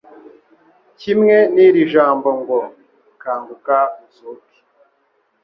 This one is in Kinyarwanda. kimwe n'iri jambo ngo : "Kanguka uzuke".